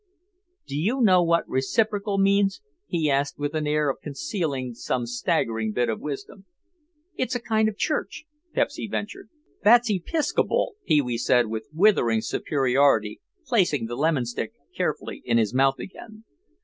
"Do you know what reciprical means?" he asked with an air of concealing some staggering bit of wisdom. "It's a kind of a church," Pepsy ventured. "That's Episcopal," Pee wee said with withering superiority, placing the lemon stick carefully in his mouth again.